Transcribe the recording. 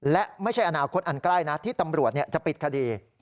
และไม่ใช่อนาคตอันใกล้นะที่ตำรวจจะปิดคดี